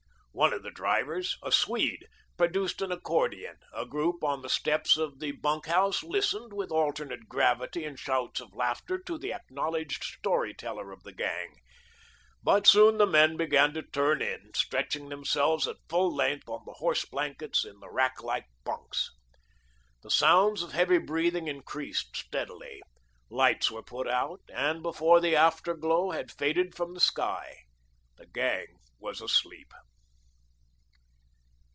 One of the drivers, a Swede, produced an accordion; a group on the steps of the bunk house listened, with alternate gravity and shouts of laughter, to the acknowledged story teller of the gang. But soon the men began to turn in, stretching themselves at full length on the horse blankets in the racklike bunks. The sounds of heavy breathing increased steadily, lights were put out, and before the afterglow had faded from the sky, the gang was asleep.